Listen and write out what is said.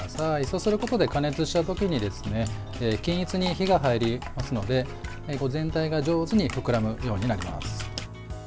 そうすることで加熱したときに均一に火が入りますので全体が上手に膨らむようになります。